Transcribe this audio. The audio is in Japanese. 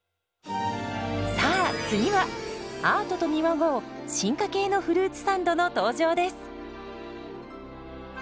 さあ次はアートと見まごう進化系のフルーツサンドの登場です。